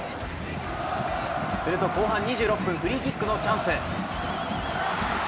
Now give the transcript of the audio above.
すると後半２６分、フリーキックのチャンス。